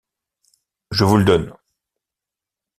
Je vous le donne !